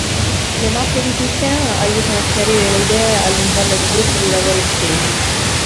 Le mappe di sistema aiutano a chiarire le idee all'interno di gruppi di lavoro estesi.